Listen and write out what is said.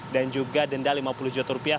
dan juga denda lima puluh juta rupiah